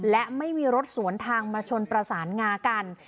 และไม่มีรถสวนทางมาชนประสานงากัน